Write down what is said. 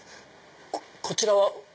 こちらは。